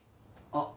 あっ。